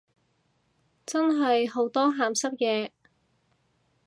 真係好多鹹濕嘢